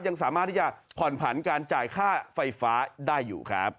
ยังสามารถที่จะผ่อนผันการจ่ายค่าไฟฟ้าได้อยู่ครับ